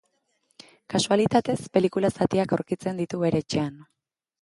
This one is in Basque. Kasualitatez, pelikula zatiak aurkitzen ditu bere etxean.